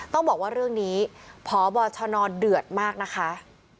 ต้องบอกว่าเรื่องนี้พบชนเดือดมากนะคะ